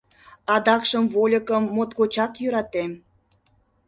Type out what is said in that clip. Адакшым вольыкым моткочак йӧратем.